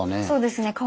そうですね